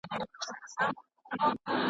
پر خره سپرېدل یو شرم، ځني کښته کېدل یې بل شرم .